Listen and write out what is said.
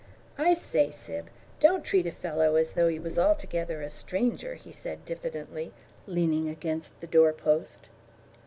"I say, Syb, don't treat a fellow as though he was altogether a stranger," he said diffidently, leaning against the door post.